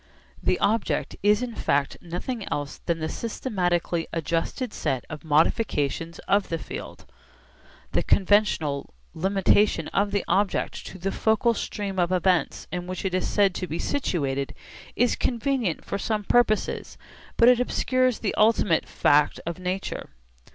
The object is in fact nothing else than the systematically adjusted set of modifications of the field. The conventional limitation of the object to the focal stream of events in which it is said to be 'situated' is convenient for some purposes, but it obscures the ultimate fact of nature.